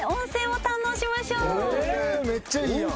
めっちゃいいやん。